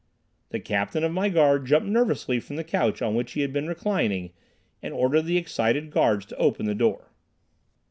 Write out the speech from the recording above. The captain of my guard jumped nervously from the couch on which he had been reclining, and ordered the excited guards to open the door.